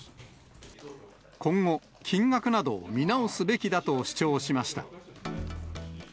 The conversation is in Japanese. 今後、金額などを見直すべきだと主張しました。